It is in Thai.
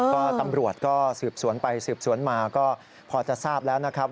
ก็ตำรวจก็สืบสวนไปสืบสวนมาก็พอจะทราบแล้วนะครับ